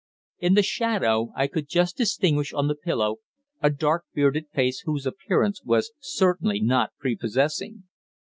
In the shadow I could just distinguish on the pillow a dark bearded face whose appearance was certainly not prepossessing.